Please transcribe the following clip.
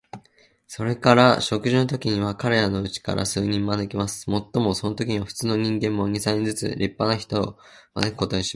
それから食事のときには、彼等のうちから数人招きます。もっともそのときには、普通の人間も、二三人ずつ立派な人を招くことにします。